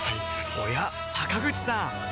おや坂口さん